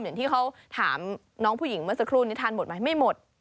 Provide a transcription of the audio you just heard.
อย่างที่เขาถามน้องผู้หญิงเมื่อสักครู่นี้ทานหมดไหมไม่หมด